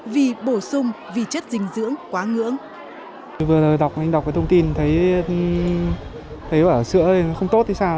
vì bổ sung vi chất dinh dưỡng quá ngưỡng